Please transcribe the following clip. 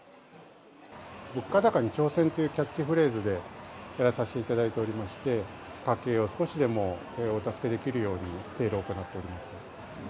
物価高に挑戦というキャッチフレーズでやらさせていただいておりまして、家計を少しでもお助けできるように、セールを行っております。